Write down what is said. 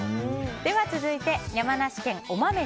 では続いて山梨県の方。